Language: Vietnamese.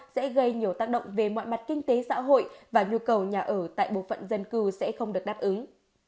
sẽ gây nhiều tác động về mọi mặt kinh tế xã hội và nhu cầu nhà ở tại bộ phận dân cư sẽ không được đáp ứng